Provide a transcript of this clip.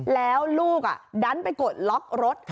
แล้วลูกดันไปกดล็อกรถ